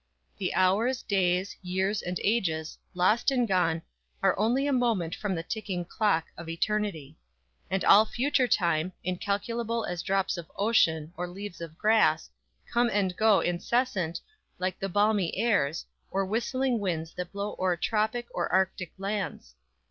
The hours, days, years and ages, lost and gone Are only a moment from the ticking clock Of eternity. And all future time, Incalculable as drops of ocean Or leaves of grass, come and go incessant, Like the balmy airs; or whistling winds That blow o'er tropic or arctic lands.